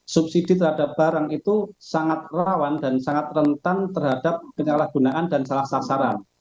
subsidi terhadap barang itu sangat rawan dan sangat rentan terhadap penyalahgunaan dan salah sasaran